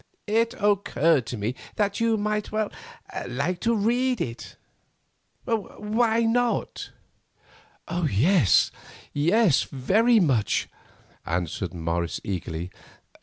It occurred to me that you might like to read it. Why not?" "Yes, yes, very much," answered Morris eagerly.